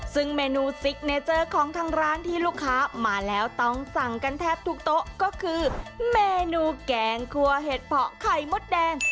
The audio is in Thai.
ซึ่งเมนูซิกเนเจอร์ของทางร้านที่ลูกค้ามาแล้วต้องสั่งกันแทบทุกโต๊ะก็คือเมนูแกงครัวเห็ดเพาะไข่มดแดง